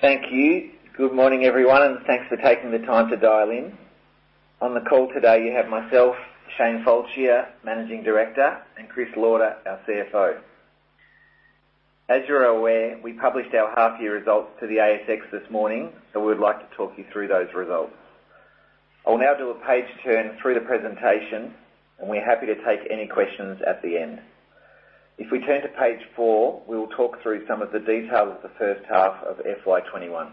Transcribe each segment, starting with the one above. Thank you. Good morning, everyone, and thanks for taking the time to dial in. On the call today, you have myself, Shane Fallscheer, Managing Director, and Chris Lauder, our CFO. As you're aware, we published our half year results to the ASX this morning. We would like to talk you through those results. I'll now do a page turn through the presentation. We're happy to take any questions at the end. If we turn to page four, we will talk through some of the details of the first half of FY21.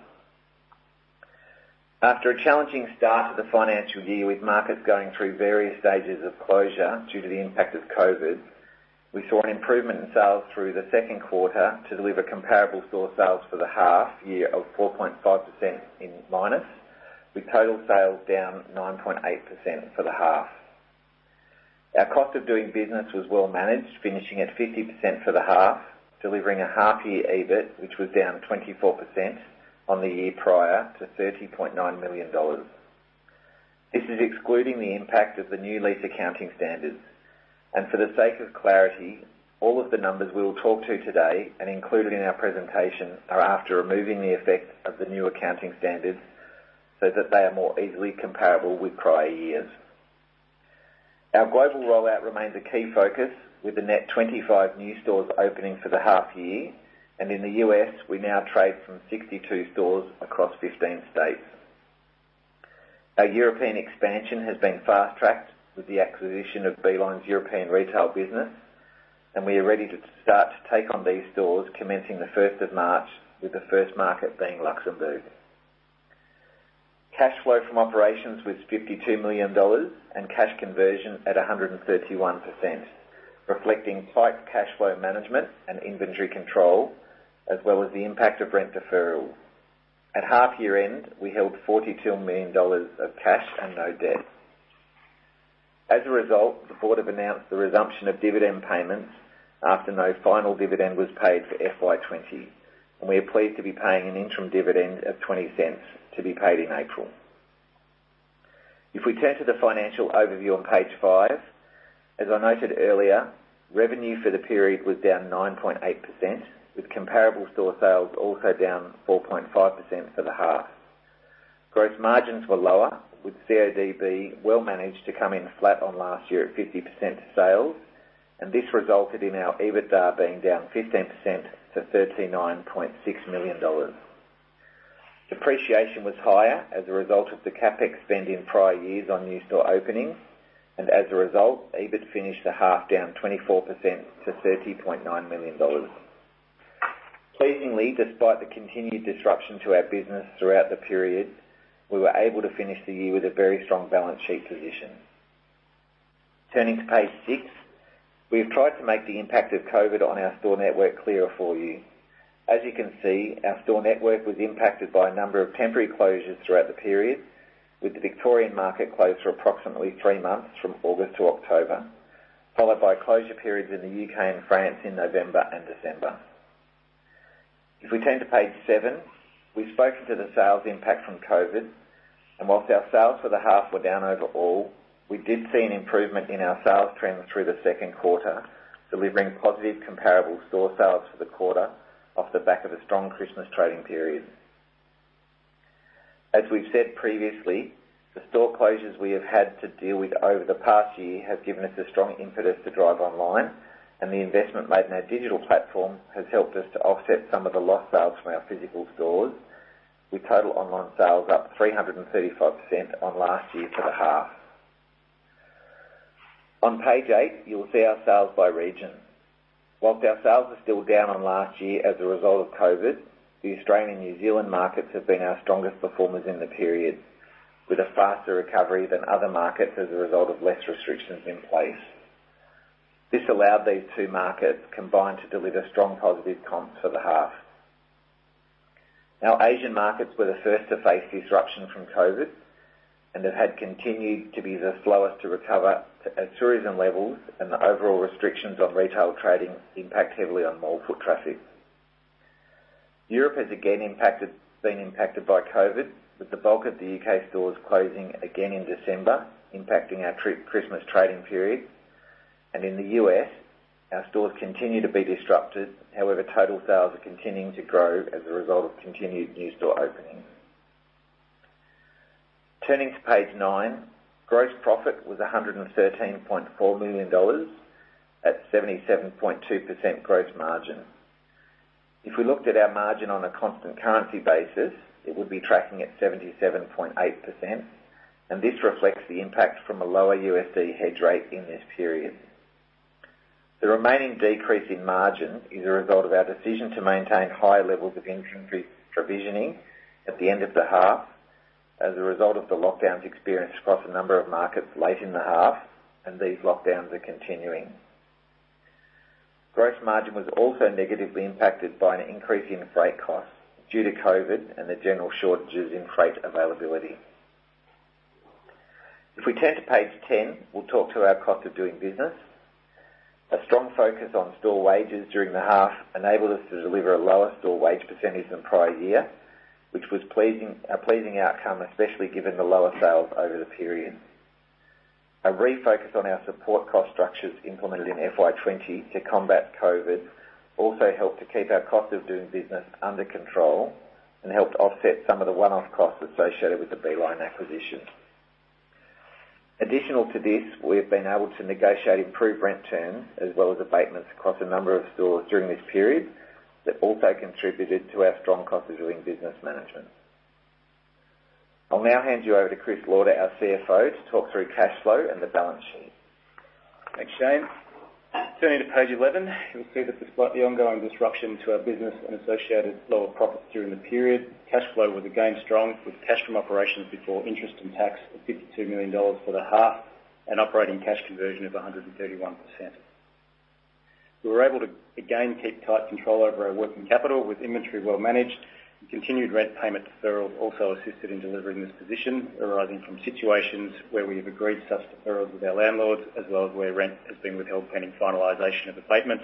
After a challenging start to the financial year, with markets going through various stages of closure due to the impact of COVID, we saw an improvement in sales through the second quarter to deliver comparable store sales for the half year of 4.5% in minus, with total sales down 9.8% for the half. Our cost of doing business was well managed, finishing at 50% for the half, delivering a half-year EBIT which was down 24% on the year prior to 30.9 million dollars. This is excluding the impact of the new lease accounting standards. For the sake of clarity, all of the numbers we will talk to today and included in our presentation are after removing the effect of the new accounting standards, so that they are more easily comparable with prior years. Our global rollout remains a key focus, with a net 25 new stores opening for the half year. In the U.S., we now trade from 62 stores across 15 states. Our European expansion has been fast-tracked with the acquisition of Beeline's European retail business, and we are ready to start to take on these stores commencing the 1st of March, with the first market being Luxembourg. Cash flow from operations was 52 million dollars, and cash conversion at 131%, reflecting tight cash flow management and inventory control, as well as the impact of rent deferral. At half year-end, we held 42 million dollars of cash and no debt. As a result, the board have announced the resumption of dividend payments after no final dividend was paid for FY 2020. We are pleased to be paying an interim dividend of 0.20 to be paid in April. If we turn to the financial overview on page five, as I noted earlier, revenue for the period was down 9.8%, with comparable store sales also down 4.5% for the half. Gross margins were lower, with CODB well managed to come in flat on last year at 50% sales, and this resulted in our EBITDA being down 15% to 39.6 million dollars. Depreciation was higher as a result of the CapEx spend in prior years on new store openings, and as a result, EBIT finished the half down 24% to 30.9 million dollars. Pleasingly, despite the continued disruption to our business throughout the period, we were able to finish the year with a very strong balance sheet position. Turning to page six, we have tried to make the impact of COVID on our store network clearer for you. As you can see, our store network was impacted by a number of temporary closures throughout the period, with the Victorian market closed for approximately three months from August to October, followed by closure periods in the U.K. and France in November and December. If we turn to page seven, we've spoken to the sales impact from COVID, and while our sales for the half were down overall, we did see an improvement in our sales trends through the second quarter, delivering positive comparable store sales for the quarter off the back of a strong Christmas trading period. As we've said previously, the store closures we have had to deal with over the past year have given us a strong impetus to drive online, and the investment made in our digital platform has helped us to offset some of the lost sales from our physical stores, with total online sales up 335% on last year to the half. On page eight, you will see our sales by region. Whilst our sales are still down on last year as a result of COVID, the Australian and New Zealand markets have been our strongest performers in the period, with a faster recovery than other markets as a result of less restrictions in place. This allowed these two markets combined to deliver strong positive comps for the half. Our Asian markets were the first to face disruption from COVID, and have continued to be the slowest to recover as tourism levels and the overall restrictions on retail trading impact heavily on mall foot traffic. Europe has again been impacted by COVID, with the bulk of the U.K. stores closing again in December, impacting our Christmas trading period. In the U.S., our stores continue to be disrupted. However, total sales are continuing to grow as a result of continued new store openings. Turning to page nine, gross profit was 113.4 million dollars at 77.2% gross margin. If we looked at our margin on a constant currency basis, it would be tracking at 77.8%, and this reflects the impact from a lower USD hedge rate in this period. The remaining decrease in margin is a result of our decision to maintain higher levels of inventory provisioning at the end of the half as a result of the lockdowns experienced across a number of markets late in the half, and these lockdowns are continuing. Gross margin was also negatively impacted by an increase in freight costs due to COVID and the general shortages in freight availability. If we turn to page 10, we'll talk to our cost of doing business. A strong focus on store wages during the half enabled us to deliver a lower store wage percentage than prior year, which was a pleasing outcome, especially given the lower sales over the period. A refocus on our support cost structures implemented in FY20 to combat COVID also helped to keep our cost of doing business under control and helped offset some of the one-off costs associated with the Beeline acquisition. Additional to this, we have been able to negotiate improved rent terms as well as abatements across a number of stores during this period. That also contributed to our strong cost of doing business management. I'll now hand you over to Chris Lauder, our CFO, to talk through cash flow and the balance sheet. Thanks, Shane. Turning to page 11, you'll see that despite the ongoing disruption to our business and associated lower profits during the period, cash flow was again strong, with cash from operations before interest and tax of 52 million dollars for the half and operating cash conversion of 131%. We were able to, again, keep tight control over our working capital with inventory well managed and continued rent payment deferral also assisted in delivering this position, arising from situations where we have agreed such deferrals with our landlords, as well as where rent has been withheld pending finalization of abatements,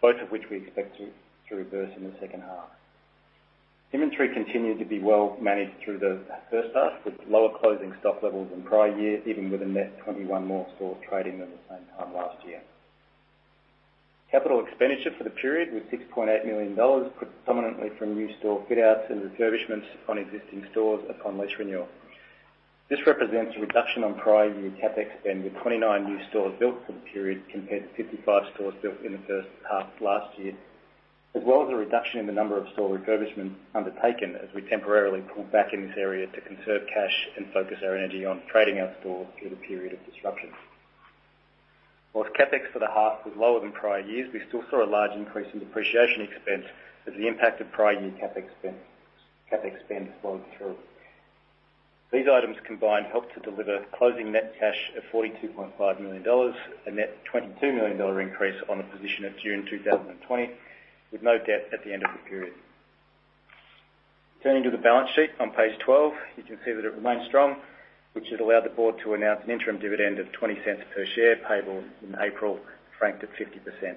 both of which we expect to reverse in the second half. Inventory continued to be well managed through the first half with lower closing stock levels than prior years, even with a net 21 more stores trading than the same time last year. Capital expenditure for the period was 6.8 million dollars, predominantly from new store fit-outs and refurbishments on existing stores upon lease renewal. This represents a reduction on prior year CapEx spend, with 29 new stores built for the period compared to 55 stores built in the first half last year, as well as a reduction in the number of store refurbishments undertaken as we temporarily pulled back in this area to conserve cash and focus our energy on trading our stores through the period of disruption. Whilst CapEx for the half was lower than prior years, we still saw a large increase in depreciation expense as the impact of prior year CapEx spend flowing through. These items combined helped to deliver closing net cash of 42.5 million dollars, a net 22 million dollar increase on the position at June 2020, with no debt at the end of the period. Turning to the balance sheet on page 12, you can see that it remains strong, which has allowed the board to announce an interim dividend of 0.20 per share, payable in April, franked at 50%.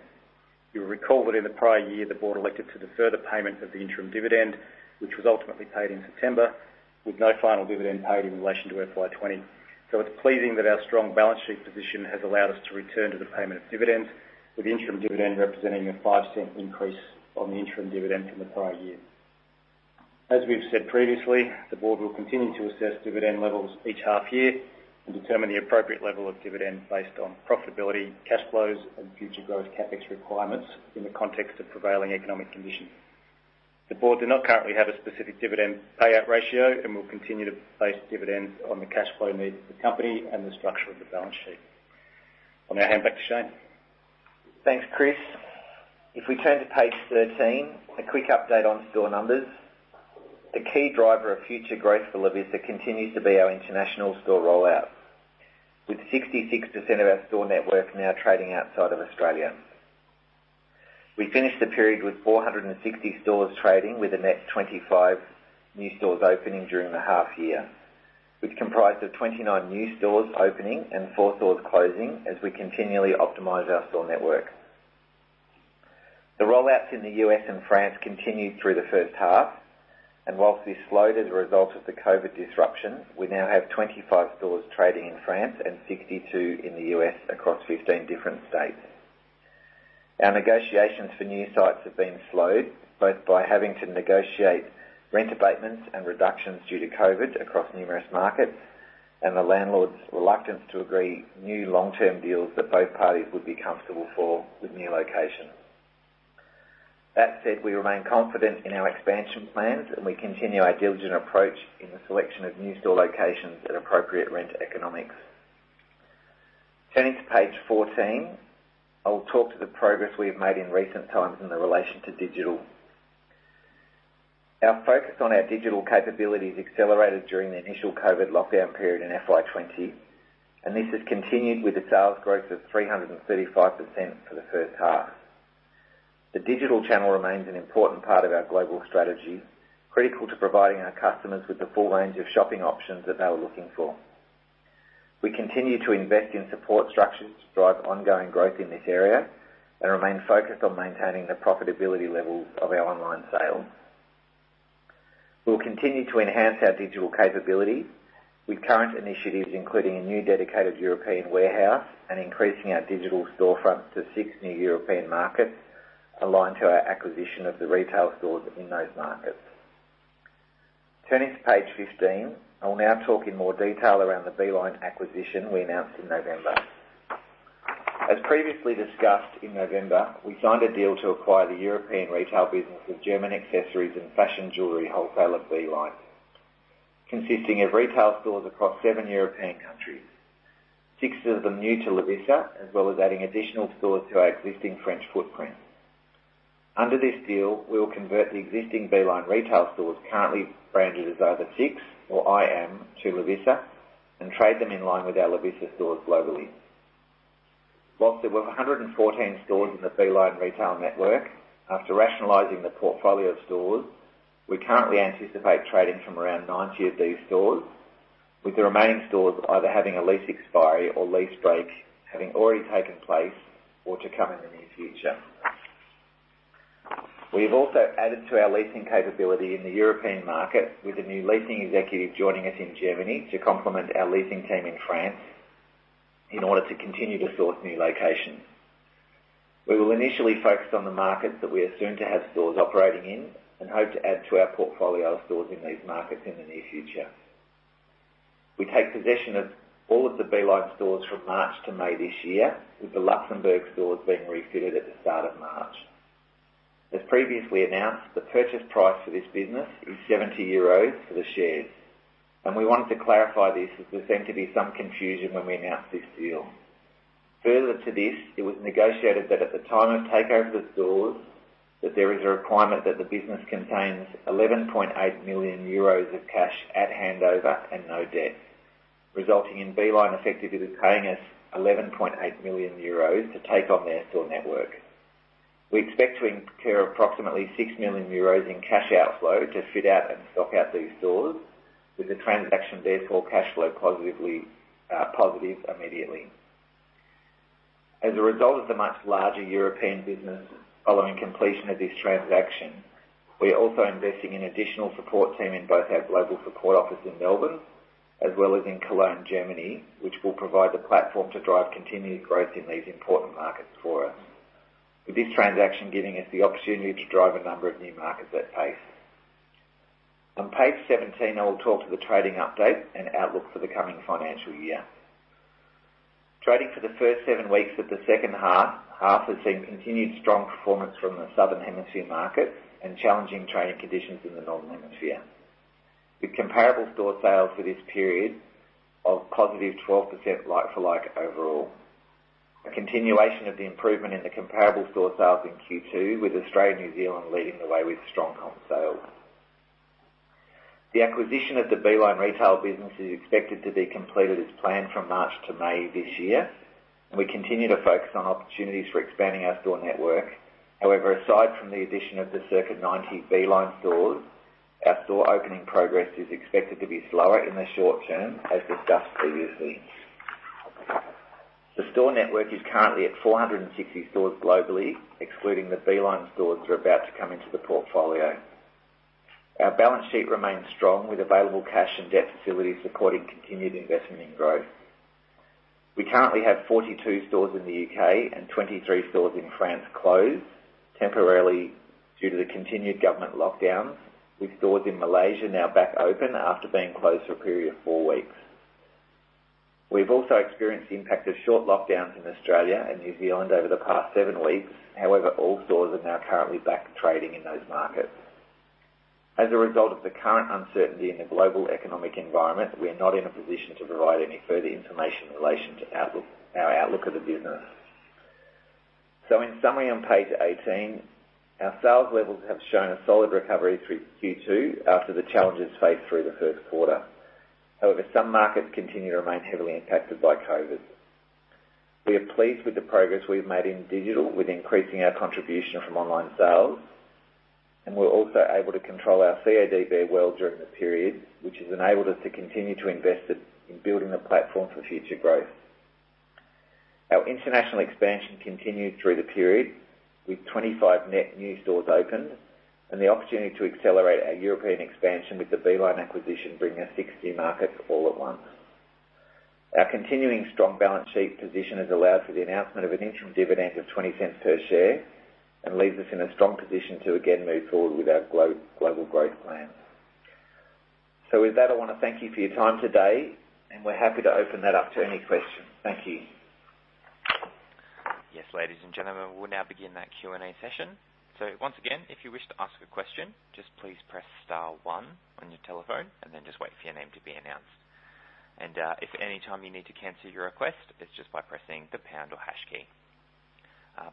You'll recall that in the prior year, the board elected to defer the payment of the interim dividend, which was ultimately paid in September, with no final dividend paid in relation to FY 2020. It's pleasing that our strong balance sheet position has allowed us to return to the payment of dividends, with interim dividend representing an 0.05 increase on the interim dividend from the prior year. As we've said previously, the board will continue to assess dividend levels each half year and determine the appropriate level of dividends based on profitability, cash flows, and future growth CapEx requirements in the context of prevailing economic conditions. The board do not currently have a specific dividend payout ratio and will continue to base dividends on the cash flow needs of the company and the structure of the balance sheet. I'll now hand back to Shane. Thanks, Chris. If we turn to page 13, a quick update on store numbers. The key driver of future growth for Lovisa continues to be our international store rollout, with 66% of our store network now trading outside of Australia. We finished the period with 460 stores trading with a net 25 new stores opening during the half year, which comprised of 29 new stores opening and four stores closing as we continually optimize our store network. The rollouts in the U.S. and France continued through the first half, and whilst this slowed as a result of the COVID disruption, we now have 25 stores trading in France and 62 in the U.S. across 15 different states. Our negotiations for new sites have been slowed both by having to negotiate rent abatements and reductions due to COVID across numerous markets, and the landlords' reluctance to agree new long-term deals that both parties would be comfortable for with new locations. That said, we remain confident in our expansion plans, and we continue our diligent approach in the selection of new store locations at appropriate rent economics. Turning to page 14, I'll talk to the progress we have made in recent times in the relation to digital. Our focus on our digital capabilities accelerated during the initial COVID lockdown period in FY 2020, and this has continued with a sales growth of 335% for the first half. The digital channel remains an important part of our global strategy, critical to providing our customers with the full range of shopping options that they were looking for. We continue to invest in support structures to drive ongoing growth in this area and remain focused on maintaining the profitability levels of our online sales. We'll continue to enhance our digital capability with current initiatives, including a new dedicated European warehouse and increasing our digital storefront to six new European markets aligned to our acquisition of the retail stores in those markets. Turning to page 15, I will now talk in more detail around the Beeline acquisition we announced in November. As previously discussed in November, we signed a deal to acquire the European retail business of German accessories and fashion jewelry wholesaler Beeline, consisting of retail stores across seven European countries, six of them new to Lovisa, as well as adding additional stores to our existing French footprint. Under this deal, we will convert the existing Beeline retail stores, currently branded as either SIX or I.AM, to Lovisa and trade them in line with our Lovisa stores globally. Whilst there were 114 stores in the Beeline retail network, after rationalizing the portfolio of stores, we currently anticipate trading from around 90 of these stores, with the remaining stores either having a lease expiry or lease break having already taken place or to come in the near future. We've also added to our leasing capability in the European market with a new leasing executive joining us in Germany to complement our leasing team in France in order to continue to source new locations. We will initially focus on the markets that we are soon to have stores operating in and hope to add to our portfolio of stores in these markets in the near future. We take possession of all of the Beeline stores from March to May this year, with the Luxembourg stores being refitted at the start of March. As previously announced, the purchase price for this business is 70 euros for the shares. We wanted to clarify this as there seemed to be some confusion when we announced this deal. Further to this, it was negotiated that at the time of takeover of the stores, that there is a requirement that the business contains 11.8 million euros of cash at handover and no debt, resulting in Beeline effectively paying us 11.8 million euros to take on their store network. We expect to incur approximately 6 million euros in cash outflow to fit out and stock out these stores with the transaction therefore cash flow positive immediately. As a result of the much larger European business following completion of this transaction, we are also investing in additional support team in both our global support office in Melbourne as well as in Cologne, Germany, which will provide the platform to drive continued growth in these important markets for us. With this transaction giving us the opportunity to drive a number of new markets at pace. On page 17, I will talk to the trading update and outlook for the coming financial year. Trading for the first seven weeks of the second half has seen continued strong performance from the southern hemisphere market and challenging trading conditions in the northern hemisphere, with comparable store sales for this period of +12% like-for-like overall, a continuation of the improvement in the comparable store sales in Q2 with Australia and New Zealand leading the way with strong comp sales. The acquisition of the Beeline retail business is expected to be completed as planned from March to May this year. We continue to focus on opportunities for expanding our store network. However, aside from the addition of the circa 90 Beeline stores, our store opening progress is expected to be slower in the short term, as discussed previously. The store network is currently at 460 stores globally, excluding the Beeline stores that are about to come into the portfolio. Our balance sheet remains strong with available cash and debt facilities supporting continued investment in growth. We currently have 42 stores in the U.K. and 23 stores in France closed temporarily due to the continued government lockdowns, with stores in Malaysia now back open after being closed for a period of four weeks. We've also experienced the impact of short lockdowns in Australia and New Zealand over the past seven weeks. However, all stores are now currently back trading in those markets. As a result of the current uncertainty in the global economic environment, we are not in a position to provide any further information in relation to our outlook of the business. In summary, on page 18, our sales levels have shown a solid recovery through Q2 after the challenges faced through the first quarter. However, some markets continue to remain heavily impacted by COVID. We are pleased with the progress we've made in digital with increasing our contribution from online sales, and we're also able to control our CODB very well during the period, which has enabled us to continue to invest in building the platform for future growth. Our international expansion continued through the period with 25 net new stores opened and the opportunity to accelerate our European expansion with the Beeline acquisition, bringing us 60 markets all at once. Our continuing strong balance sheet position has allowed for the announcement of an interim dividend of 0.20 per share and leaves us in a strong position to again move forward with our global growth plans. With that, I want to thank you for your time today, and we're happy to open that up to any questions. Thank you. Yes, ladies and gentlemen, we'll now begin that Q&A session. Once again, if you wish to ask a question, just please press star one on your telephone and then just wait for your name to be announced. If at any time you need to cancel your request, it's just by pressing the pound or hash key.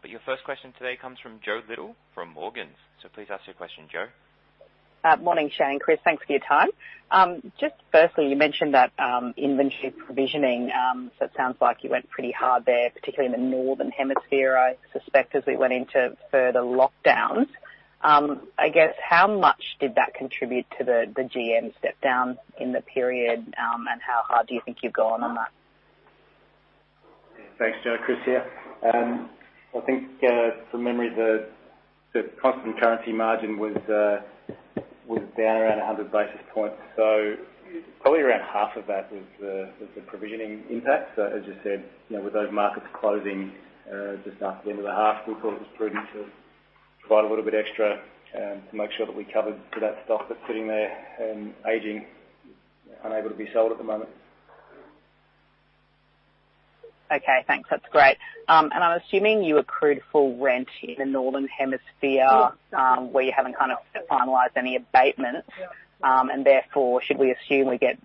Your first question today comes from Jo Little from Morgans. Please ask your question, Jo. Morning, Shane, Chris. Thanks for your time. Just firstly, you mentioned that inventory provisioning. It sounds like you went pretty hard there, particularly in the northern hemisphere, I suspect, as we went into further lockdowns. I guess how much did that contribute to the GM step down in the period? How hard do you think you've gone on that? Thanks, Jo. Chris here. I think from memory, the constant currency margin was down around 100 basis points. Probably around half of that was the provisioning impact. As you said, with those markets closing just after the end of the half, we thought it was prudent to provide a little bit extra to make sure that we covered for that stock that's sitting there and aging, unable to be sold at the moment. Okay, thanks. That's great. I'm assuming you accrued full rent in the northern hemisphere. Yes. where you haven't finalized any abatements. Yeah. Therefore, should we assume we get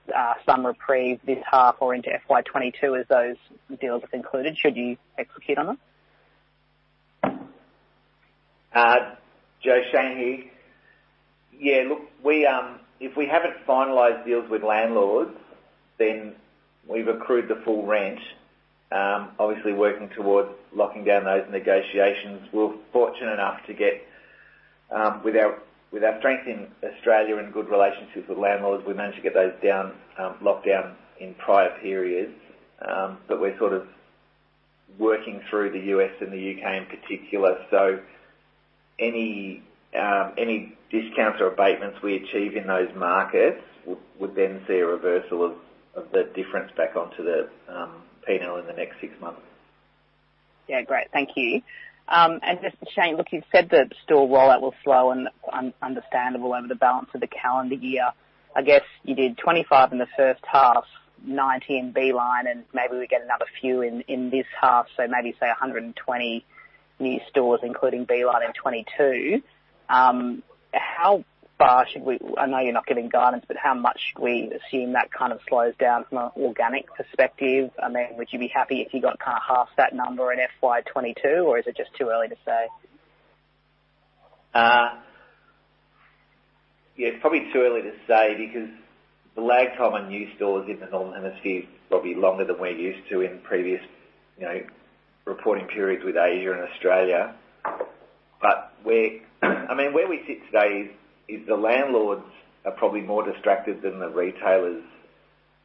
some reprieve this half or into FY 2022 as those deals are concluded, should you execute on them? Jo, Shane here. Yeah, look, if we haven't finalized deals with landlords, then we've accrued the full rent. Obviously working towards locking down those negotiations. We're fortunate enough to get, with our strength in Australia and good relationships with landlords, we managed to get those locked down in prior periods. We're working through the U.S. and the U.K. in particular. Any discounts or abatements we achieve in those markets, would then see a reversal of the difference back onto the P&L in the next six months. Yeah, great. Thank you. Just, Shane, look, you said the store rollout will slow and understandable over the balance of the calendar year. I guess you did 25 in the first half, 19 Beeline, and maybe we get another few in this half, so maybe say 120 new stores, including Beeline and FY 2022. I know you're not giving guidance, how much should we assume that kind of slows down from an organic perspective? I mean, would you be happy if you got half that number in FY 2022, is it just too early to say? Yeah, it's probably too early to say because the lag time on new stores in the northern hemisphere is probably longer than we're used to in previous reporting periods with Asia and Australia. Where we sit today is the landlords are probably more distracted than the retailers,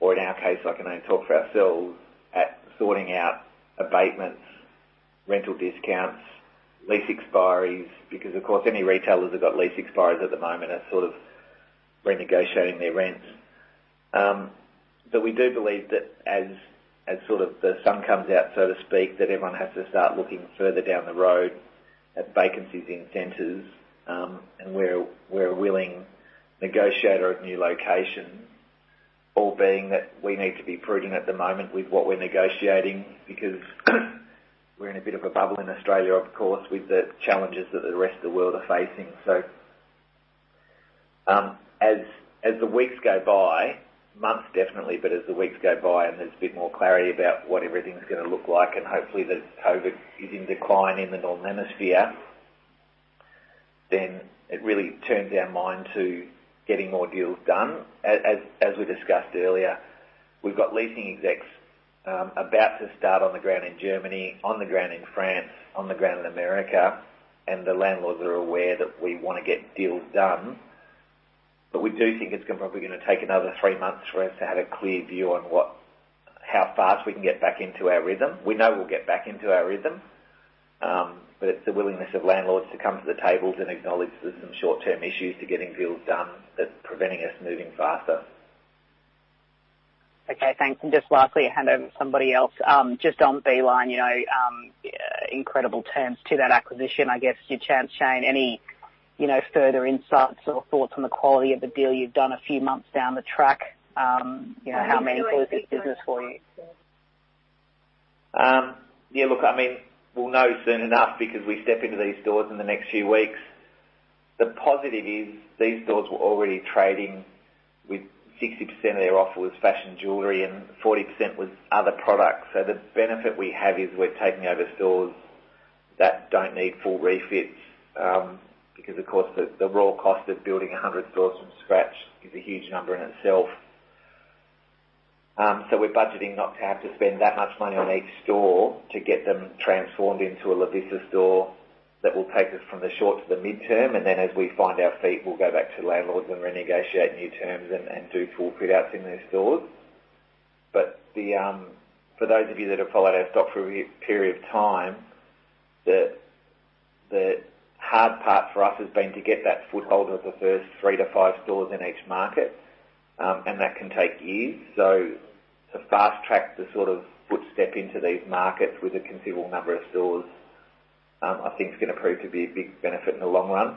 or in our case, I can only talk for ourselves, at sorting out abatements, rental discounts, lease expiries, because of course, any retailers that got lease expiries at the moment are sort of renegotiating their rents. We do believe that as the sun comes out, so to speak, that everyone has to start looking further down the road at vacancies in centers, and we're a willing negotiator of new locations, all being that we need to be prudent at the moment with what we're negotiating because we're in a bit of a bubble in Australia, of course, with the challenges that the rest of the world are facing. As the weeks go by, months definitely, but as the weeks go by and there's a bit more clarity about what everything's going to look like, and hopefully that COVID is in decline in the northern hemisphere, then it really turns our mind to getting more deals done. As we discussed earlier, we've got leasing execs about to start on the ground in Germany, on the ground in France, on the ground in America, and the landlords are aware that we want to get deals done. We do think it's probably going to take another three months for us to have a clear view on how fast we can get back into our rhythm. We know we'll get back into our rhythm, but it's the willingness of landlords to come to the tables and acknowledge there's some short-term issues to getting deals done that's preventing us moving faster. Okay, thanks. Just lastly, I'll hand over to somebody else. Just on Beeline, incredible terms to that acquisition, I guess your chance, Shane. Any further insights or thoughts on the quality of the deal you've done a few months down the track? How meaningful is this business for you? Yeah, look, we'll know soon enough because we step into these stores in the next few weeks. The positive is these stores were already trading with 60% of their offer was fashion jewelry and 40% was other products. The benefit we have is we're taking over stores that don't need full refits, because of course, the raw cost of building 100 stores from scratch is a huge number in itself. We're budgeting not to have to spend that much money on each store to get them transformed into a Lovisa store that will take us from the short to the midterm, and then as we find our feet, we'll go back to the landlords and renegotiate new terms and do full fit-outs in their stores. For those of you that have followed our stock for a period of time, the hard part for us has been to get that foothold of the first three to five stores in each market, and that can take years. To fast track the sort of footstep into these markets with a considerable number of stores, I think it's going to prove to be a big benefit in the long run.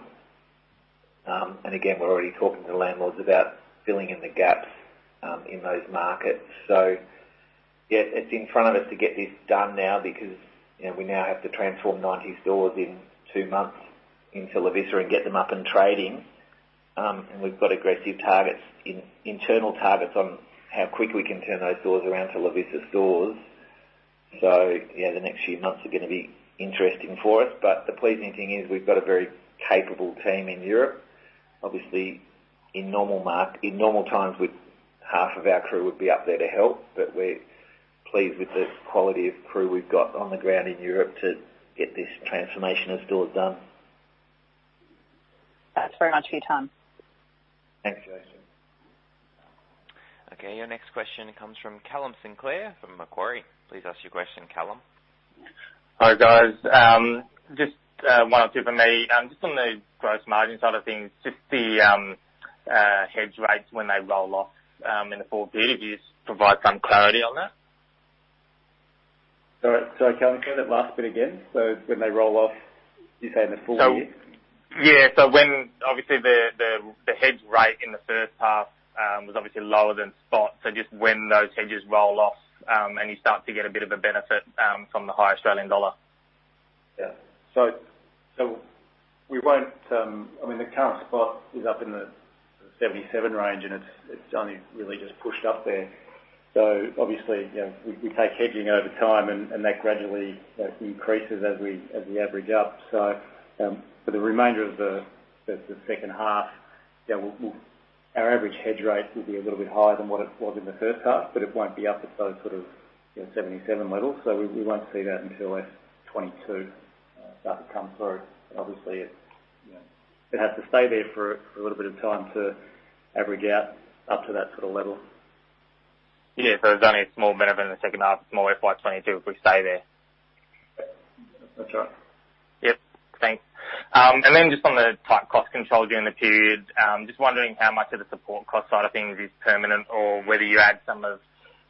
Again, we're already talking to the landlords about filling in the gaps in those markets. Yeah, it's in front of us to get this done now because we now have to transform 90 stores in two months into Lovisa and get them up and trading. We've got aggressive targets, internal targets on how quickly we can turn those stores around to Lovisa stores. Yeah, the next few months are going to be interesting for us. But the pleasing thing is we've got a very capable team in Europe. Obviously, in normal times, half of our crew would be up there to help, but we're pleased with the quality of crew we've got on the ground in Europe to get this transformation of stores done. Thanks very much for your time. Thanks, Josephine. Okay. Your next question comes from Callum Sinclair from Macquarie. Please ask your question, Callum. Hi, guys. Just one or two from me. Just on the gross margin side of things, just the hedge rates when they roll off in the full year. Could you just provide some clarity on that? Sorry, Callum, say that last bit again. When they roll off, you're saying the full year? Obviously the hedge rate in the first half was obviously lower than spot. Just when those hedges roll off, and you start to get a bit of a benefit from the high Australian dollar. Yeah. The current spot is up in the 77 range, and it's only really just pushed up there. Obviously, we take hedging over time, and that gradually increases as we average up. For the remainder of the second half, our average hedge rate will be a little bit higher than what it was in the first half, but it won't be up at those sort of 77 levels. We won't see that until FY 2022. That's starting to come through. Obviously, it has to stay there for a little bit of time to average out up to that sort of level. Yeah. There's only a small benefit in the second half of FY 2022 if we stay there. That's right. Yep. Thanks. Then just on the tight cost controls during the period, I'm just wondering how much of the support cost side of things is permanent or whether you add some of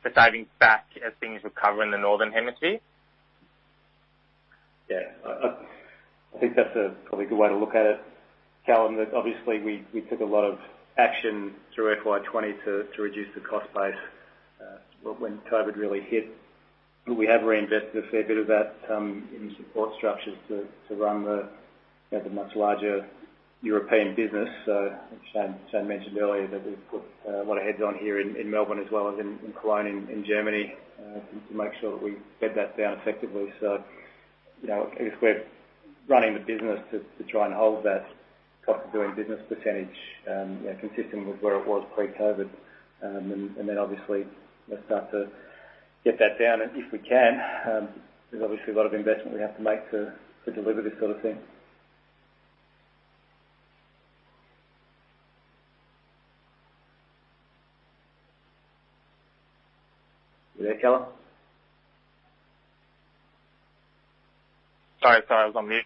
the savings back as things recover in the Northern Hemisphere? Yeah. I think that's probably a good way to look at it, Callum. Obviously, we took a lot of action through FY20 to reduce the cost base, when COVID really hit. We have reinvested a fair bit of that in support structures to run the much larger European business. Shane mentioned earlier that we've put a lot of heads on here in Melbourne as well as in Cologne, in Germany, to make sure that we bed that down effectively. I guess we're running the business to try and hold that cost of doing business percentage consistent with where it was pre-COVID. Obviously, we'll start to get that down, if we can. There's obviously a lot of investment we have to make to deliver this sort of thing. You there, Callum? Sorry, I was on mute.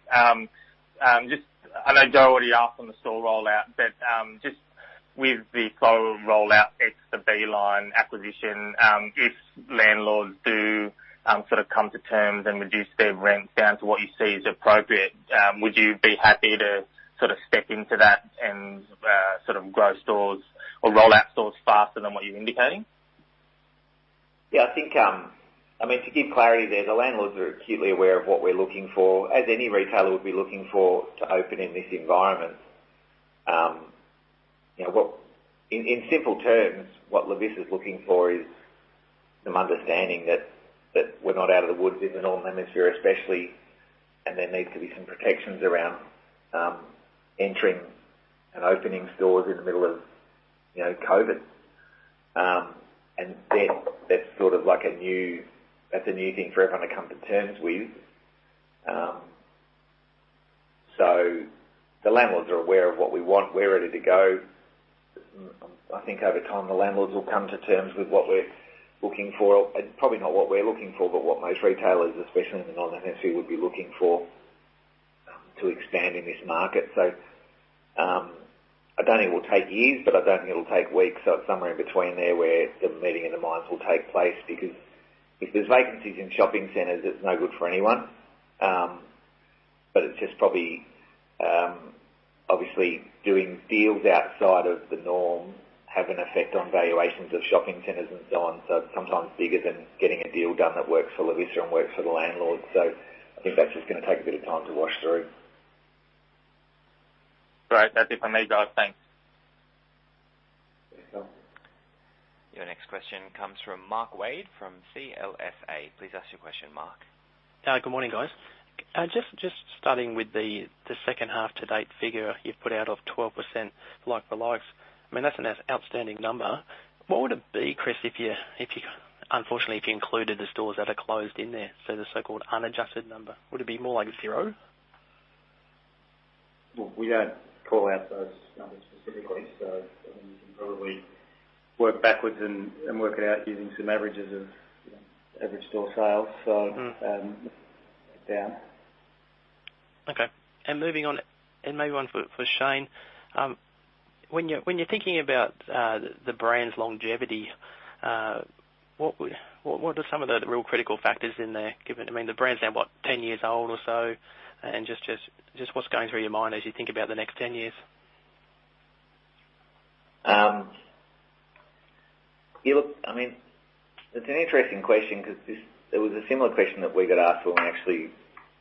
I know Jo already asked on the store rollout, but just with the store rollout, ex the Beeline acquisition, if landlords do come to terms and reduce their rents down to what you see is appropriate, would you be happy to step into that and grow stores or roll out stores faster than what you're indicating? Yeah. To give clarity there, the landlords are acutely aware of what we're looking for, as any retailer would be looking for to open in this environment. In simple terms, what Lovisa is looking for is some understanding that we're not out of the woods in the Northern Hemisphere, especially, and there needs to be some protections around entering and opening stores in the middle of COVID. That's a new thing for everyone to come to terms with. The landlords are aware of what we want. We're ready to go. I think over time, the landlords will come to terms with what we're looking for. Probably not what we're looking for, but what most retailers, especially in the Northern Hemisphere, would be looking for to expand in this market. I don't think it will take years, but I don't think it'll take weeks. Somewhere in between there where the meeting of the minds will take place, because if there's vacancies in shopping centers, it's no good for anyone. It's just probably obviously doing deals outside of the norm have an effect on valuations of shopping centers and so on. Sometimes bigger than getting a deal done that works for Lovisa and works for the landlord. I think that's just going to take a bit of time to wash through. Great. That's it from me, guys. Thanks. Thanks, Callum. Your next question comes from Mark Wade from CLSA. Please ask your question, Mark. Good morning, guys. Just starting with the second half to date figure you've put out of 12% like-for-like. That's an outstanding number. What would it be, Chris, unfortunately, if you included the stores that are closed in there, so the so-called unadjusted number? Would it be more like zero? Well, we don't call out those numbers specifically. Someone can probably work backwards and work it out using some averages of average store sales. Down. Okay. Moving on. Maybe one for Shane. When you're thinking about the brand's longevity, what are some of the real critical factors in there, given the brand's now what, 10 years old or so? Just what's going through your mind as you think about the next 10 years? It's an interesting question because there was a similar question that we got asked when we actually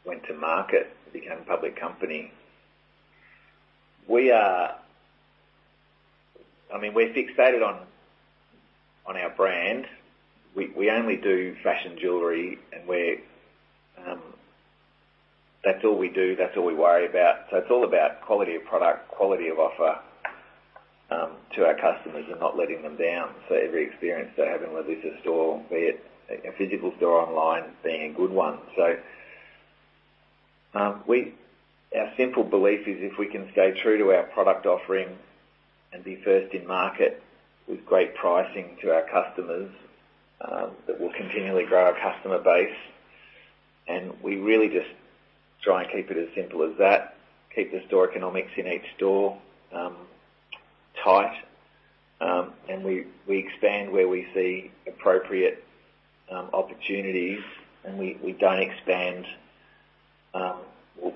went to market to become a public company. We're fixated on our brand. We only do fashion jewelry, and that's all we do. That's all we worry about. It's all about quality of product, quality of offer to our customers and not letting them down. Every experience they have in Lovisa store, be it a physical store or online, being a good one. Our simple belief is if we can stay true to our product offering and be first in market with great pricing to our customers, that we'll continually grow our customer base. We really just try and keep it as simple as that. Keep the store economics in each store tight. We expand where we see appropriate opportunities, and we don't expand.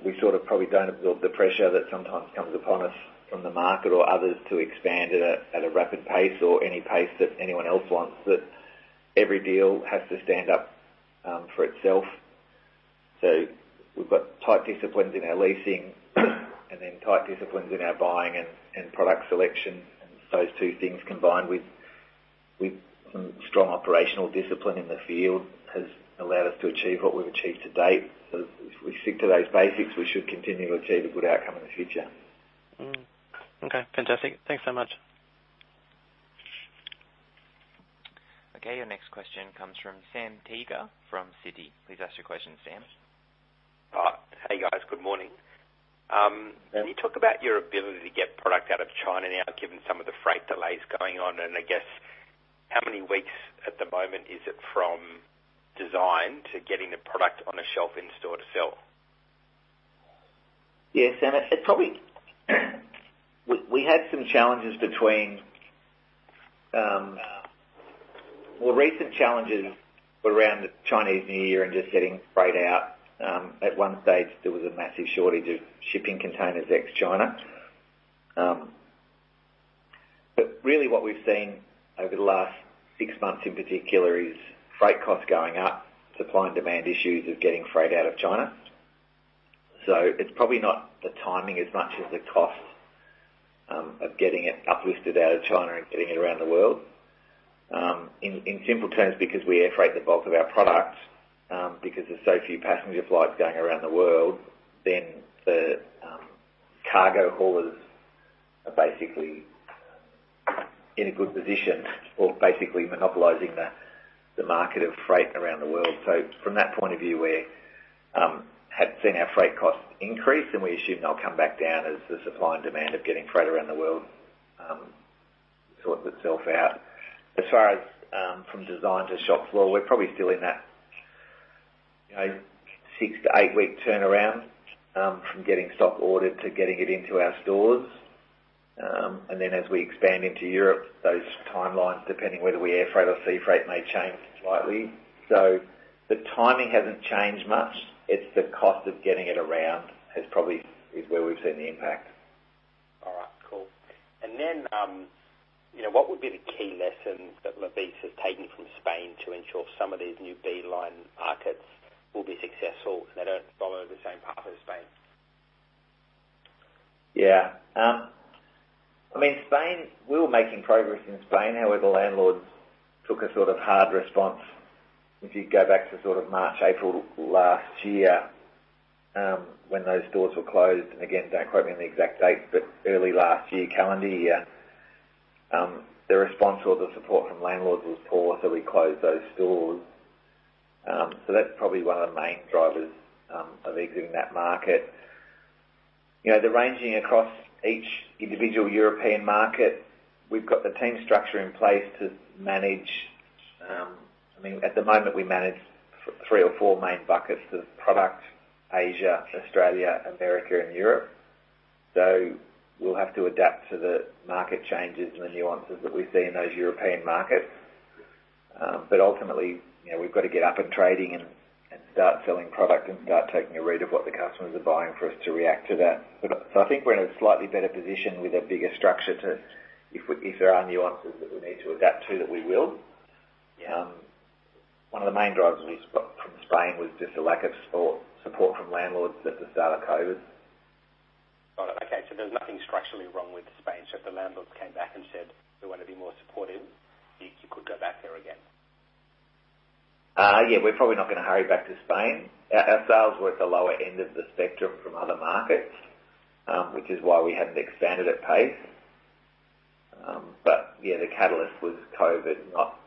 We probably don't build the pressure that sometimes comes upon us from the market or others to expand at a rapid pace or any pace that anyone else wants, that every deal has to stand up for itself. We've got tight disciplines in our leasing and then tight disciplines in our buying and product selection. Those two things, combined with some strong operational discipline in the field, has allowed us to achieve what we've achieved to date. If we stick to those basics, we should continue to achieve a good outcome in the future. Okay, fantastic. Thanks so much. Your next question comes from Sam Teeger from Citi. Please ask your question, Sam. Hi. Hey, guys. Good morning. Yeah. Can you talk about your ability to get product out of China now, given some of the freight delays going on? I guess, how many weeks at the moment is it from design to getting a product on a shelf in-store to sell? Sam, we had some recent challenges around the Chinese New Year and just getting freight out. At one stage, there was a massive shortage of shipping containers ex-China. Really what we've seen over the last six months in particular is freight costs going up, supply and demand issues of getting freight out of China. It's probably not the timing as much as the cost of getting it uplifted out of China and getting it around the world. In simple terms, because we air freight the bulk of our product, because there's so few passenger flights going around the world, the cargo haulers are basically in a good position for basically monopolizing the market of freight around the world. From that point of view, we have seen our freight costs increase, and we assume they'll come back down as the supply and demand of getting freight around the world sorts itself out. As far as from design to shop floor, we're probably still in that six to eight-week turnaround from getting stock ordered to getting it into our stores. As we expand into Europe, those timelines, depending whether we air freight or sea freight, may change slightly. The timing hasn't changed much. It's the cost of getting it around is probably where we've seen the impact. All right, cool. What would be the key lesson that Lovisa has taken from Spain to ensure some of these new Beeline markets will be successful, and they don't follow the same path as Spain? Spain, we were making progress in Spain. Landlords took a hard response. If you go back to March, April last year, when those stores were closed, and again, don't quote me on the exact dates, but early last year, calendar year. The response or the support from landlords was poor, we closed those stores. That's probably one of the main drivers of exiting that market. The ranging across each individual European market, we've got the team structure in place to manage. At the moment, we manage three or four main buckets of product, Asia, Australia, America, and Europe. We'll have to adapt to the market changes and the nuances that we see in those European markets. Ultimately, we've got to get up and trading and start selling product and start taking a read of what the customers are buying for us to react to that. I think we're in a slightly better position with a bigger structure to, if there are nuances that we need to adapt to, that we will. Yeah. One of the main drivers we got from Spain was just a lack of support from landlords at the start of COVID. Got it. Okay. There's nothing structurally wrong with Spain. If the landlords came back and said, "We want to be more supportive," you could go back there again? Yeah. We're probably not going to hurry back to Spain. Our sales were at the lower end of the spectrum from other markets, which is why we hadn't expanded at pace. The catalyst was COVID, not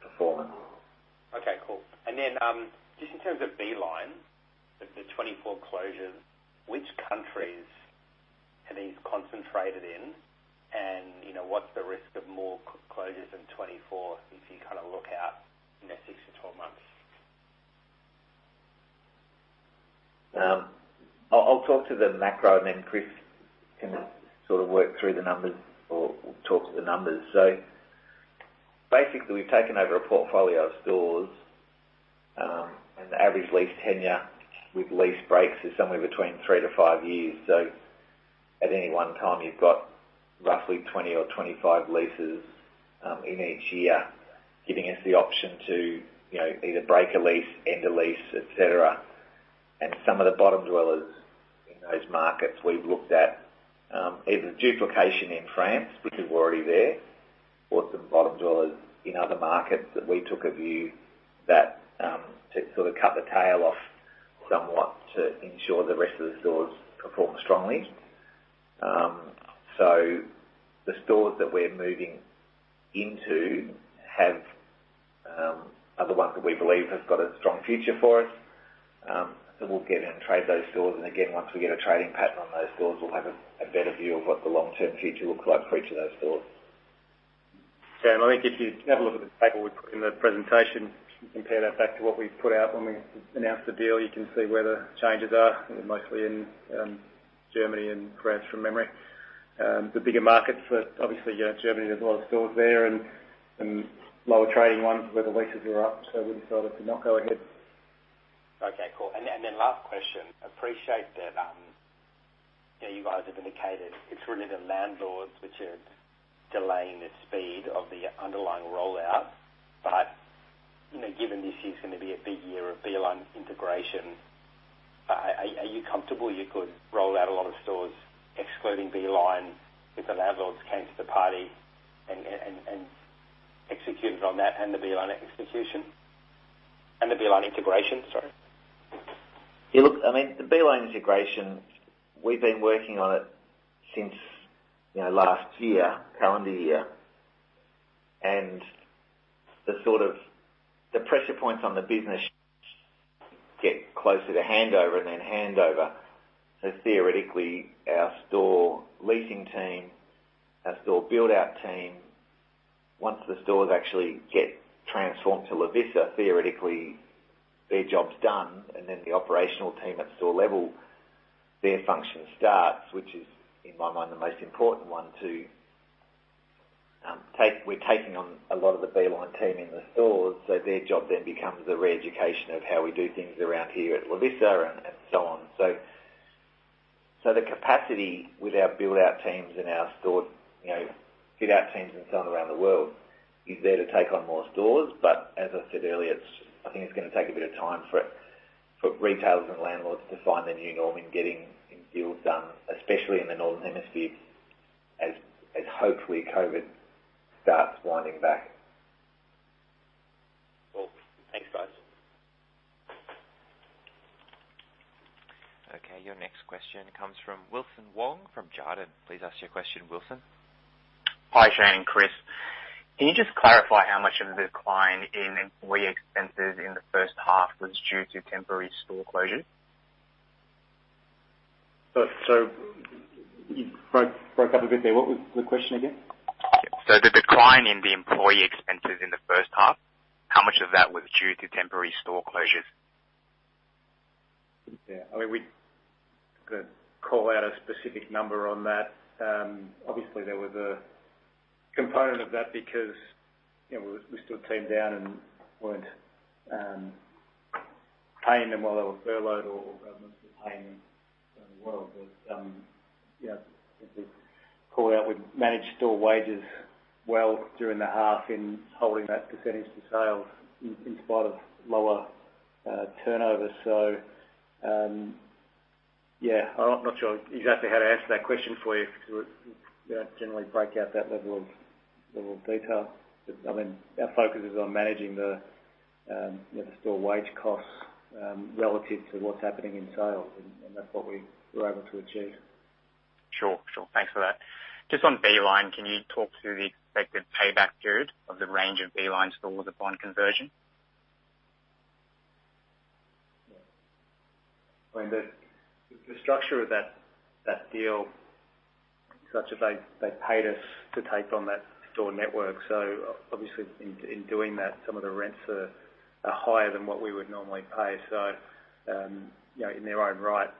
performance. Okay, cool. Just in terms of Beeline, the 24 closures, which countries are these concentrated in, and what's the risk of more closures than 24 if you look out in the 6-12 months? I'll talk to the macro, and then Chris can work through the numbers or talk to the numbers. Basically, we've taken over a portfolio of stores, and the average lease tenure with lease breaks is somewhere between three to five years. At any one time, you've got roughly 20 or 25 leases in each year, giving us the option to either break a lease, end a lease, et cetera. Some of the bottom dwellers in those markets we've looked at, either duplication in France, because we're already there, or some bottom dwellers in other markets that we took a view to cut the tail off somewhat to ensure the rest of the stores perform strongly. The stores that we're moving into are the ones that we believe have got a strong future for us. We'll get in and trade those stores. Again, once we get a trading pattern on those stores, we'll have a better view of what the long-term future looks like for each of those stores. Sam, I think if you have a look at the table in the presentation, compare that back to what we put out when we announced the deal, you can see where the changes are, mostly in Germany and France, from memory. The bigger markets, but obviously, Germany, there's a lot of stores there and lower trading ones where the leases are up, so we decided to not go ahead. Okay, cool. Last question. Appreciate that you guys have indicated it's really the landlords which are delaying the speed of the underlying rollout. Given this year's going to be a big year of Beeline integration, are you comfortable you could roll out a lot of stores excluding Beeline if the landlords came to the party and executed on that and the Beeline execution? The Beeline integration, sorry. Yeah, look, the Beeline integration, we've been working on it since last year, calendar year. The pressure points on the business get closer to handover and then handover. Theoretically, our store leasing team, our store build-out team, once the stores actually get transformed to Lovisa, theoretically their job's done, and then the operational team at store level, their function starts, which is, in my mind, the most important one to take. We're taking on a lot of the Beeline team in the stores, so their job then becomes the re-education of how we do things around here at Lovisa and so on. The capacity with our build-out teams in our store, fit-out teams and so on around the world, is there to take on more stores. As I said earlier, I think it's going to take a bit of time for retailers and landlords to find the new norm in getting deals done, especially in the northern hemisphere, as hopefully COVID starts winding back. Cool. Thanks, guys. Okay, your next question comes from Wilson Wong from Jarden. Please ask your question, Wilson. Hi, Shane and Chris. Can you just clarify how much of the decline in employee expenses in the first half was due to temporary store closures? You broke up a bit there. What was the question again? The decline in the employee expenses in the first half, how much of that was due to temporary store closures? Yeah. We could call out a specific number on that. Obviously, there was a component of that because we stood team down and weren't paying them while they were furloughed or governments were paying them around the world. Yeah, as we call out, we managed store wages well during the half in holding that percent to sales in spite of lower turnover. Yeah, I'm not sure exactly how to answer that question for you because we don't generally break out that level of detail. Our focus is on managing the store wage costs relative to what's happening in sales, and that's what we were able to achieve. Sure. Thanks for that. Just on Beeline, can you talk to the expected payback period of the range of Beeline stores upon conversion? The structure of that deal is such that they paid us to take on that store network. Obviously in doing that, some of the rents are higher than what we would normally pay. In their own right,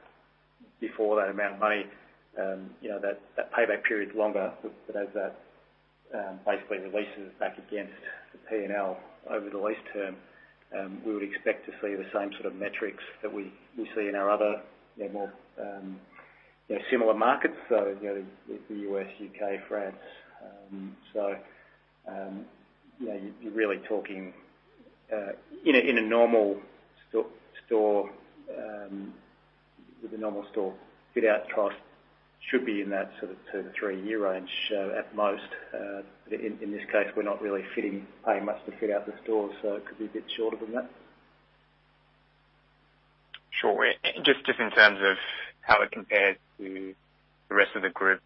before that amount of money, that payback period is longer. As that basically releases back against the P&L over the lease term, we would expect to see the same sort of metrics that we see in our other more similar markets. The U.S., U.K., France. You're really talking in a normal store with a normal store fit-out cost should be in that sort of two- to three-year range at most. In this case, we're not really paying much to fit out the stores, so it could be a bit shorter than that. Sure. Just in terms of how it compared to the rest of the group,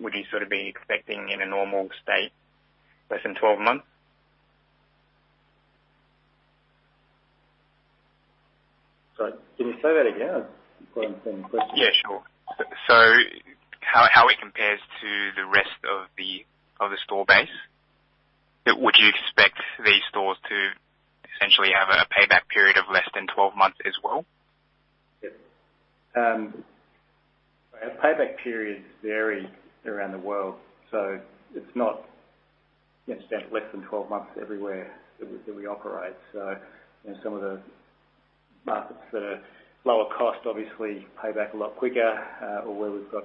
would you sort of be expecting in a normal state, less than 12 months? Sorry, can you say that again? I didn't quite understand the question. Yeah, sure. How it compares to the rest of the store base. Would you expect these stores to essentially have a payback period of less than 12 months as well? Yep. Payback periods vary around the world, so it's not less than 12 months everywhere that we operate. Some of the markets that are lower cost obviously pay back a lot quicker or where we've got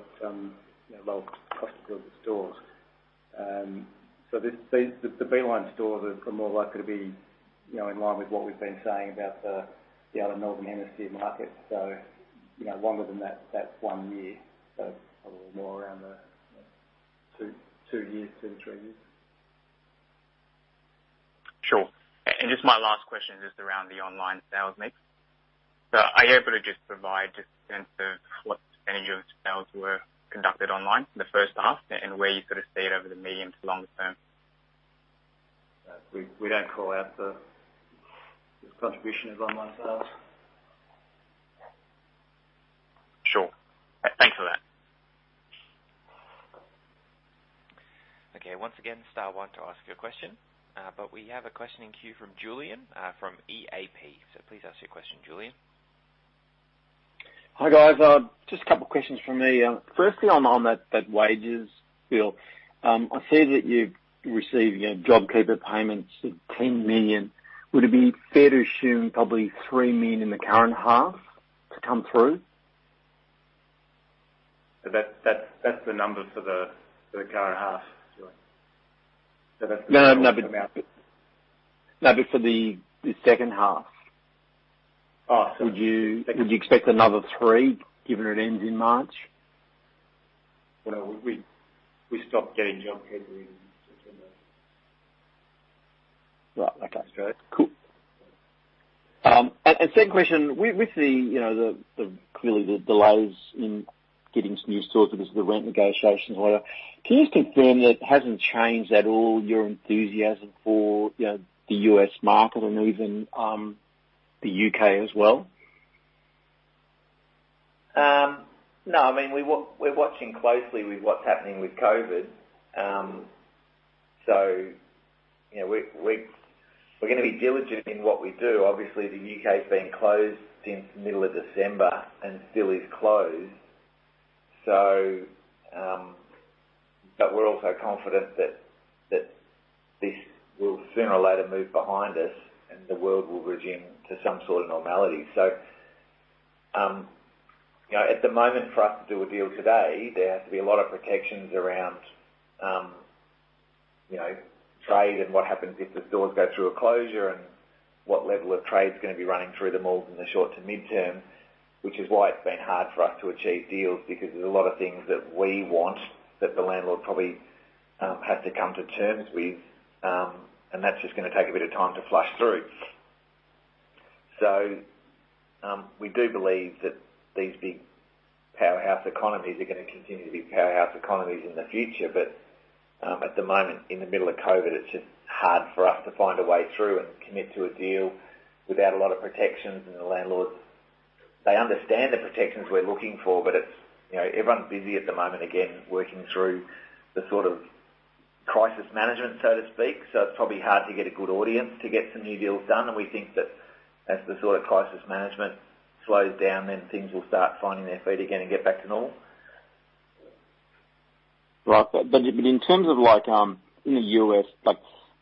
lower cost of goods stores. The Beeline stores are more likely to be in line with what we've been saying about the other northern hemisphere markets, longer than that one year, so probably more around the two years, two to three years. Sure. Just my last question is just around the online sales mix. Are you able to just provide a sense of what percent of sales were conducted online in the first half and where you sort of see it over the medium to long term? We don't call out the contribution of online sales. Sure. Thanks for that. Okay. Once again, star one to ask your question. We have a question in queue from Julian from EAP. Please ask your question, Julian. Hi, guys. Just a couple of questions from me. Firstly, on that wages bill, I see that you've received JobKeeper payments of 10 million. Would it be fair to assume probably 3 million in the current half to come through? That's the number for the current half, Julian. No, for the second half. Oh, second. Would you expect another three, given it ends in March? Well, we stopped getting JobKeeper in. Right. Okay, cool. Second question, with the, clearly the delays in getting some new stores because of the rent negotiations and whatever, can you confirm that it hasn't changed at all your enthusiasm for the U.S. market and even the U.K. as well? No, we're watching closely with what's happening with COVID. We're going to be diligent in what we do. Obviously, the U.K.'s been closed since middle of December and still is closed. We're also confident that this will sooner or later move behind us, and the world will resume to some sort of normality. At the moment, for us to do a deal today, there has to be a lot of protections around trade and what happens if the stores go through a closure and what level of trade's going to be running through the malls in the short to midterm, which is why it's been hard for us to achieve deals because there's a lot of things that we want that the landlord probably has to come to terms with. That's just going to take a bit of time to flush through. We do believe that these big powerhouse economies are going to continue to be powerhouse economies in the future. At the moment, in the middle of COVID, it's just hard for us to find a way through and commit to a deal without a lot of protections. The landlords, they understand the protections we're looking for, but everyone's busy at the moment, again, working through the crisis management, so to speak. It's probably hard to get a good audience to get some new deals done. We think that as the crisis management slows down, then things will start finding their feet again and get back to normal. Right. In terms of in the U.S.,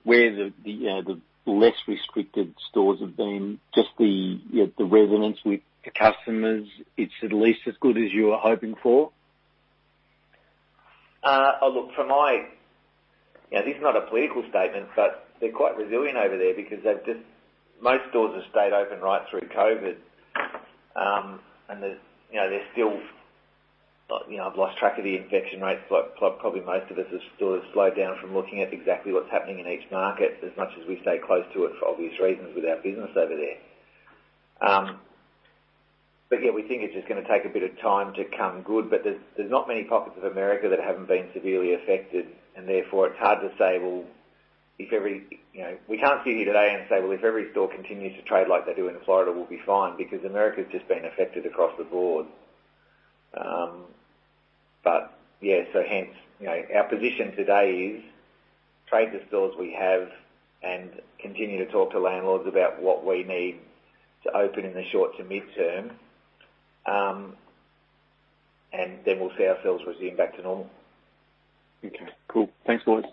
where the less restricted stores have been, just the resonance with the customers, it's at least as good as you were hoping for? Look, this is not a political statement, but they're quite resilient over there because most stores have stayed open right through COVID. I've lost track of the infection rates, like probably most of us as stores slow down from looking at exactly what's happening in each market, as much as we stay close to it for obvious reasons with our business over there. Yeah, we think it's just going to take a bit of time to come good. There's not many pockets of America that haven't been severely affected, and therefore, it's hard to say, well, we can't sit here today and say, well, if every store continues to trade like they do in Florida, we'll be fine, because America's just been affected across the board. Our position today is trade the stores we have and continue to talk to landlords about what we need to open in the short to midterm, and then we'll see ourselves resume back to normal. Okay, cool. Thanks, Lauder.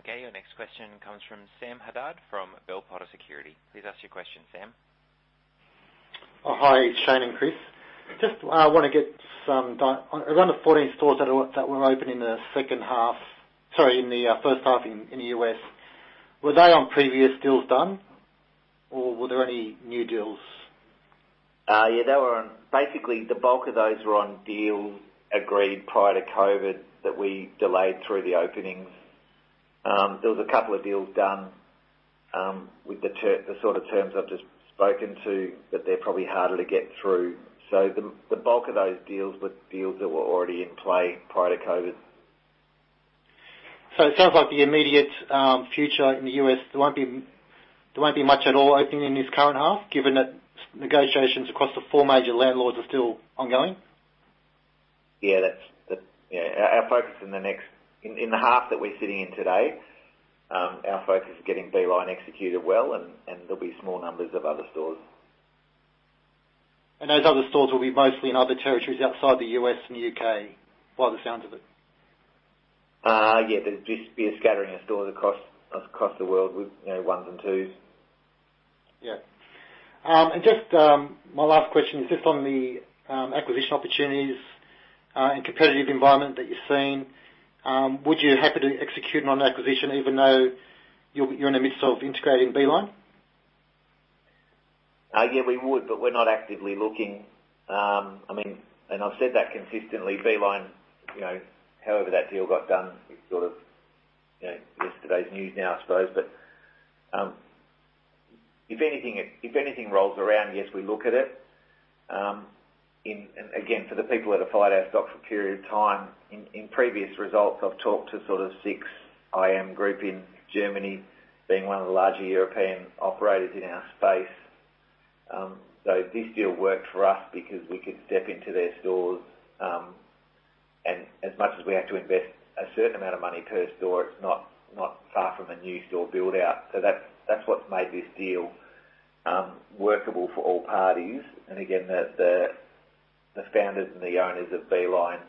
Okay. Your next question comes from Sam Haddad from Bell Potter Securities. Please ask your question, Sam. Hi, Shane and Chris. Around the 14 stores that were open in the second half, sorry, in the first half in the U.S., were they on previous deals done? Or were there any new deals? Yeah, basically, the bulk of those were on deals agreed prior to COVID that we delayed through the openings. There was a couple of deals done with the sort of terms I've just spoken to, that they're probably harder to get through. The bulk of those deals were deals that were already in play prior to COVID. It sounds like the immediate future in the U.S., there won't be much at all opening in this current half, given that negotiations across the four major landlords are still ongoing. Yeah. Our focus in the half that we're sitting in today, our focus is getting Beeline executed well, and there'll be small numbers of other stores. Those other stores will be mostly in other territories outside the U.S. and the U.K. by the sounds of it. There'll just be a scattering of stores across the world with ones and twos. Yeah. My last question is just on the acquisition opportunities and competitive environment that you're seeing. Would you be happy to execute on acquisition even though you're in the midst of integrating Beeline? Yeah, we would, but we're not actively looking. I've said that consistently. Beeline, however that deal got done, it's yesterday's news now, I suppose. If anything rolls around, yes, we look at it. Again, for the people that have followed our stock for a period of time, in previous results, I've talked to SIX I AM Group in Germany being one of the larger European operators in our space. This deal worked for us because we could step into their stores, and as much as we have to invest a certain amount of money per store, it's not far from a new store build-out. That's what's made this deal workable for all parties. Again, the founders and the owners of Beeline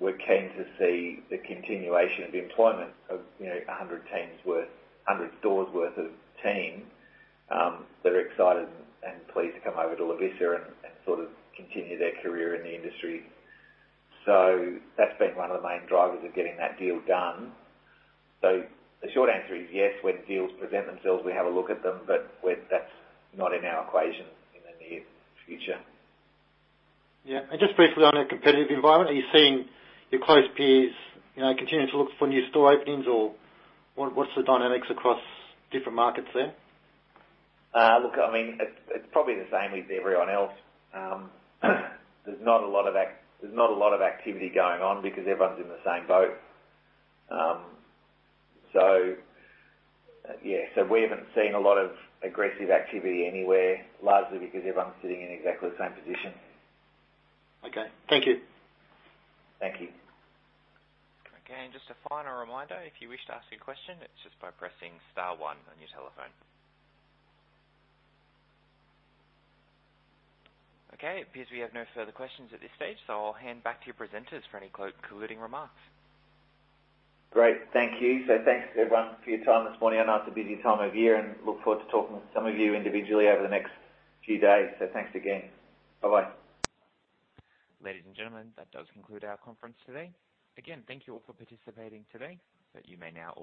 were keen to see the continuation of the employment of 100 stores worth of team, that are excited and pleased to come over to Lovisa and continue their career in the industry. That's been one of the main drivers of getting that deal done. The short answer is yes. When deals present themselves, we have a look at them, but that's not in our equation in the near future. Yeah. Just briefly on a competitive environment, are you seeing your close peers continuing to look for new store openings? What's the dynamics across different markets there? Look, it's probably the same with everyone else. There's not a lot of activity going on because everyone's in the same boat. Yeah. We haven't seen a lot of aggressive activity anywhere, largely because everyone's sitting in exactly the same position. Okay. Thank you. Thank you. Okay, just a final reminder, if you wish to ask a question, it's just by pressing star one on your telephone. Okay, appears we have no further questions at this stage, so I'll hand back to your presenters for any concluding remarks. Great. Thank you. Thanks everyone for your time this morning. I know it's a busy time of year, and look forward to talking with some of you individually over the next few days. Thanks again. Bye-bye. Ladies and gentlemen, that does conclude our conference today. Again, thank you all for participating today, but you may now all disconnect.